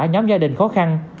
cho nhóm gia đình khó khăn